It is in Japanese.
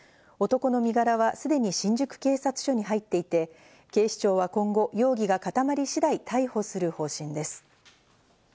男の身柄はすでに新宿警察署に入っていて、警視庁は今後、容疑が固まり次第、逮捕する方針です。